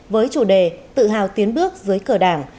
với chủ đề tự hào tiến bước dưới cờ đảng